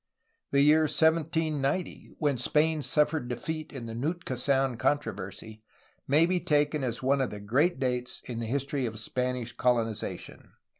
The y ar 1790, when Spain suffered defeat in the Nootka Sound controversy, may be taken as one of the great dates in the history of Spanish colonization.